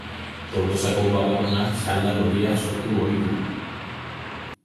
Tolosako babarrunak salda lodia sortu ohi du.